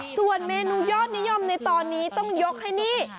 ส่วนเมนูยอดนิยมในตอนนี้ต้องยกให้นี่